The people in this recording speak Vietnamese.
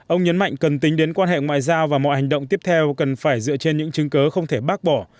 ông nhấn mạnh cần tính đến quan hệ ngoại giao và mọi hành động tiếp theo cần phải dựa trên những chứng cớ không thể bác bỏ